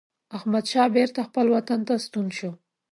احمدشاه بیرته خپل وطن ته ستون شو.